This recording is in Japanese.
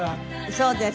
そうです。